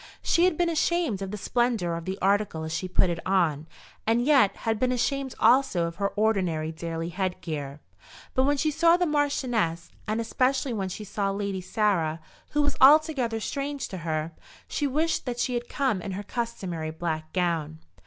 She had been ashamed of the splendour of the article as she put it on, and yet had been ashamed also of her ordinary daily head gear. But when she saw the Marchioness, and especially when she saw Lady Sarah, who was altogether strange to her, she wished that she had come in her customary black gown.